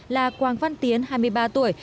là quang văn tiến hai mươi ba tuổi